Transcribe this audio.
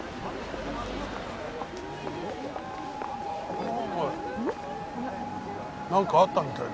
おいなんかあったみたいだな。